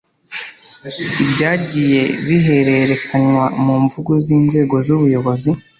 ibyagiye bihererekanywa mu mvugo z inzego z ubuyobozi